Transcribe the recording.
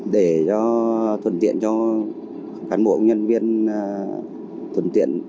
để cho thuận tiện cho cán bộ công nhân viên thuận tiện